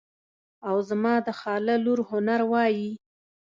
او زما د خاله لور هنر وایي.